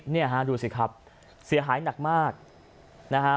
เนี่ยฮะดูสิครับเสียหายหนักมากนะฮะ